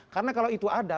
karena kalau itu ada